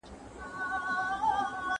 ¬ دايي گاني چي ډېري سي، د کوچني سر کوږ راځي.